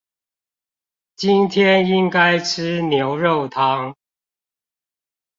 今天應該吃牛肉湯